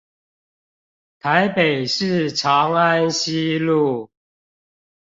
臺北市長安西路